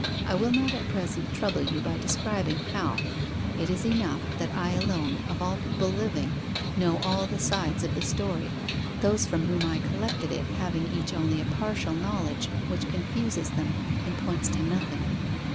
I will not at present trouble you by describing how. It is enough, that I alone, of all people living, know all the sides of the story, those from whom I collected it having each only a partial knowledge which confuses them and points to nothing.